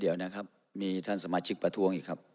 เดี๋ยวนะครับมีท่านสมาชิกประท้วงอีกครับ